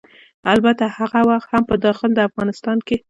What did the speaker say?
البته هغه وخت هم په داخل د افغانستان کې